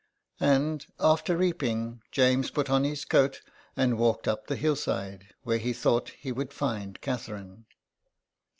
And, after reaping, James put on his coat and walked up the hillside, where he thought he would find Catherine.